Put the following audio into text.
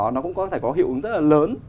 nó cũng có thể có hiệu ứng rất là lớn